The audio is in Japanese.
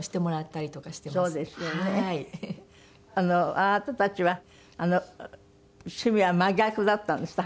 あなたたちは趣味は真逆だったんですって？